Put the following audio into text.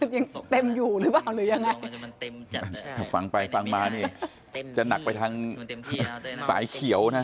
ยังเต็มอยู่หรือเปล่าหรือยังไงถ้าฟังไปฟังมานี่จะหนักไปทางสายเขียวนะ